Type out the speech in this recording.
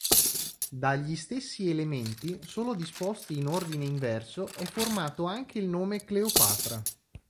Dagli stessi elementi, solo disposti in ordine inverso, è formato anche il nome Cleopatra.